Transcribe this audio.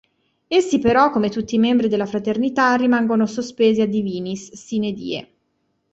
Essi però, come tutti i membri della Fraternità, rimangono sospesi "a divinis" "sine die".